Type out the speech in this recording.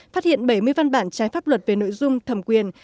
phát hiện bảy mươi văn bản trái pháp luật về nội dung thẩm quyền